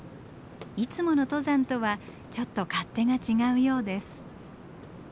いつもの登山とはちょっと勝手が違うようです。